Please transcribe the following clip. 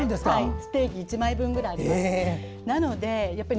ステーキ１枚分ぐらいあります。